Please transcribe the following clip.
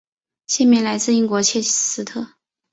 县名来自英国切斯特。